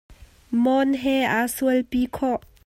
Mawn he a sualpi khawh.